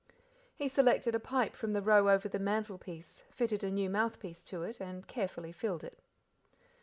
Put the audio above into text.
He selected a pipe from the row over the mantelpiece, fitted a new mouthpiece to it, and carefully filled it.